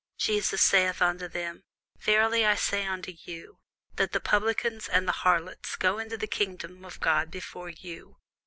Jesus saith unto them, Verily I say unto you, That the publicans and the harlots go into the kingdom of God before you.